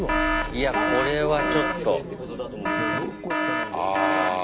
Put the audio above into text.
いやこれはちょっと。